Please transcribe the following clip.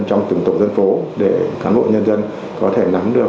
trong từng tổ dân phố để cán bộ nhân dân có thể nắm được